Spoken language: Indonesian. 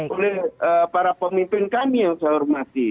oleh para pemimpin kami yang saya hormati